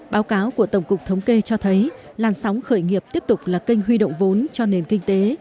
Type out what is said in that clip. báo cáo của tổng cục thống kê cho thấy làn sóng khởi nghiệp tiếp tục là kênh huy động vốn cho nền kinh tế